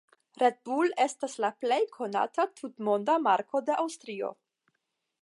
Red Bull estas la plej konata tutmonda marko de Aŭstrio.